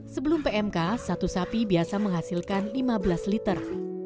sebelum pmk satu sapi biasa menghasilkan lima belas liter